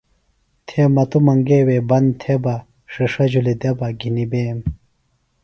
تھے بہ مہ توۡ میٹِیلیۡ منگے وے بند تھےۡ بہ ݜِݜہ جُھلیۡ دےۡ گھنیۡ بیم